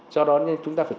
do đó nên chúng ta phải